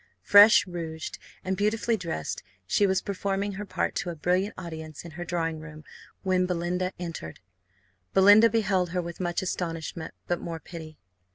Fresh rouged, and beautifully dressed, she was performing her part to a brilliant audience in her drawing room when Belinda entered. Belinda beheld her with much astonishment, but more pity.